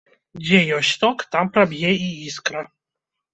Дзе ёсць ток, там праб'е і іскра.